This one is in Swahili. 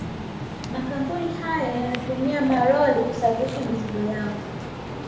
Makampuni hayo yanatumia malori kusafirisha mizigo yao